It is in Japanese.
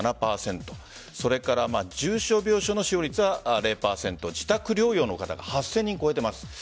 それから重症病床の使用率は０％自宅療養の方が８０００人を超えています。